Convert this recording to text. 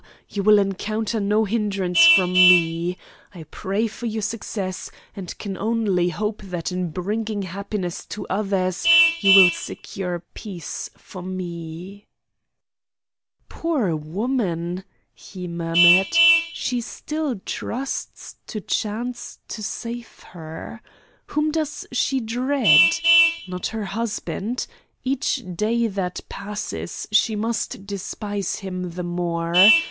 You will encounter no hindrance from me. I pray for your success, and can only hope that in bringing happiness to others you will secure peace for me." "Poor woman!" he murmured. "She still trusts to chance to save her. Whom does she dread? Not her husband. Each day that passes she must despise him the more.